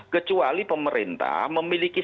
kecuali pemerintah memiliki